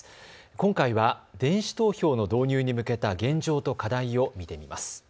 今回は電子投票の導入に向けた現状と課題を見てみます。